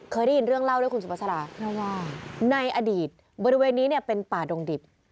เคยได้ยินเรื่องเล่าด้วยคุณสุภาษาว่าในอดีตบริเวณนี้เนี่ยเป็นป่าดงดิบ